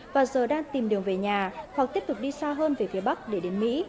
và giờ đang tìm đường về nhà hoặc tiếp tục đi xa hơn về phía bắc để đến mỹ